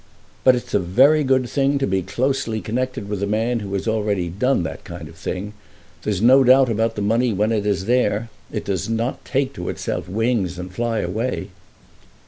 But it's a very good thing to be closely connected with a man who has already done that kind of thing. There's no doubt about the money when it is there. It does not take to itself wings and fly away."